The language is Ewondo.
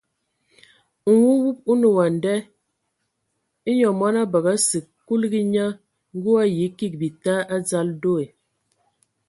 Nwumub o nə wa a nda : e nyɔ mɔn a bəgə asig! Kuligi nye ngə o ayi kig bita a dzal do.